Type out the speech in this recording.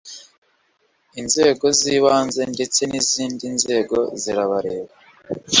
inzego zibanze ndetse n izindi nzego birabareba